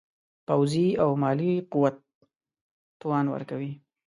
پوځي او مالي قوت توان ورکوي.